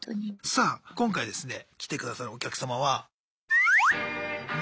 さあ今回ですね来てくださるお客様は。